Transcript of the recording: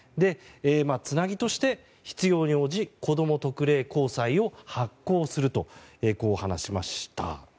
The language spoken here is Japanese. つなぎとして、必要に応じこども特例公債を発行するとこう話しました。